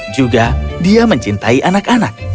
juga dia mencintai anak anak